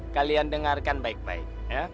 kalian dengarkan baik baik